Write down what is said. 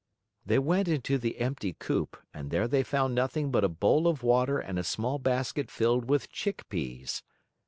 They went into the empty coop and there they found nothing but a bowl of water and a small basket filled with chick peas.